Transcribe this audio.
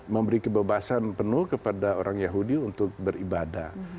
memberi kebebasan penuh kepada orang yahudi untuk beribadah